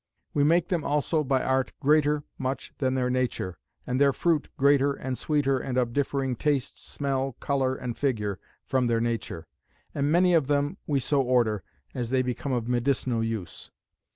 We make them also by art greater much than their nature; and their fruit greater and sweeter and of differing taste, smell, colour, and figure, from their nature. And many of them we so order, as they become of medicinal use.